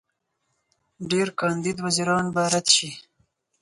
ډېر کاندید وزیران به رد شي.